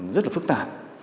rất là phức tạp